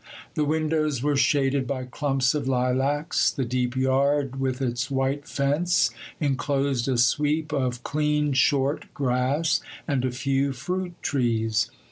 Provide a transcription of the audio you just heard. The windows were shaded by clumps of lilacs; the deep yard with its white fence enclosed a sweep of clean, short grass and a few fruit trees.